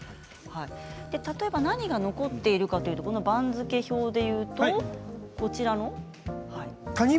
例えば、何が残っているかといいますと番付表でいいますとこちらですね。